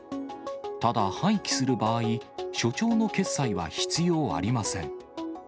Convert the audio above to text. ただ、廃棄する場合、所長の決裁は必要ありません。